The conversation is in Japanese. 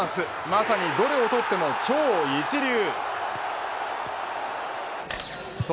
まさにどれをとっても超一流。